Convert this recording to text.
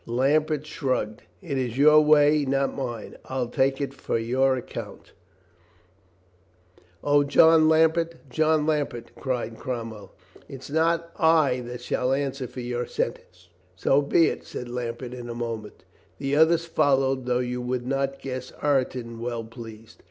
Lambert shrugged. "It is your way, not mine. I'll take it for your account." THE LIEUTENANT GENERAL SPEAKS 44i "O, John Lambert, John Lambert," cried Crom well, "it's not I that shall answer for your sentence." "So be it!" said Lambert in a moment The others followed, though you would not guess Ireton well pleased.